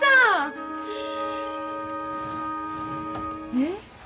えっ？